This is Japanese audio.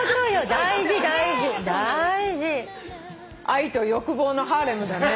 「愛と欲望のハレム」だね。